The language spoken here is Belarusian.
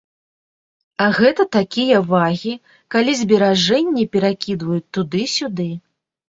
А гэта такія вагі, калі зберажэнні перакідваюць туды-сюды.